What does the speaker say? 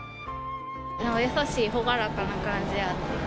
優しい、朗らかな感じやった。